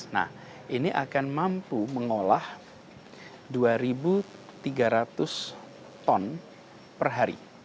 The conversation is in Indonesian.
nah ini akan mampu mengolah dua tiga ratus ton per hari